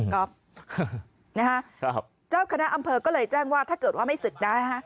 ก๊อฟนะฮะเจ้าคณะอำเภอก็เลยแจ้งว่าถ้าเกิดว่าไม่ศึกได้